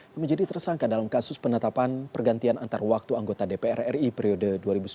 yang menjadi tersangka dalam kasus penetapan pergantian antar waktu anggota dpr ri periode dua ribu sembilan belas dua ribu dua